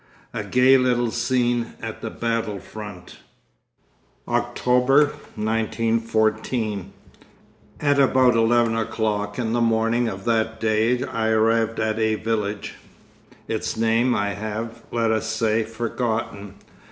III A GAY LITTLE SCENE AT THE BATTLE FRONT October, 1914. At about eleven o'clock in the morning of that day I arrived at a village its name I have, let us say, forgotten.